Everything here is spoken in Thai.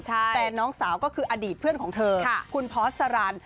แฟนน้องสาวก็คืออดีตเพื่อนของเธอคุณพอสรัน